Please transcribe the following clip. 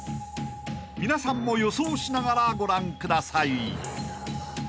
［皆さんも予想しながらご覧ください］